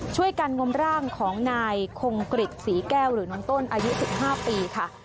การงมร่างของนายคงกริจศรีแก้วหรือน้องต้นอายุ๑๕ปีค่ะ